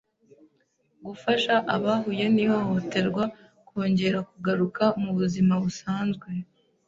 gufasha abahuye n’ihohoterwa kongera kugaruka mu ubuzima busanzwe.